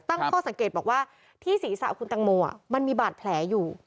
ตั้งข้อสังเกตบอกว่าที่ศีรษะคุณตังโมมันมีบาดแผลอยู่